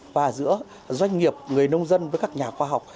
và giữa doanh nghiệp người nông dân với các nhà khoa học